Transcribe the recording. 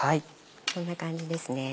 こんな感じですね。